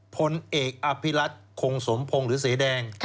พลเอกอภิรัตคงสมพงศ์หรือเสแดง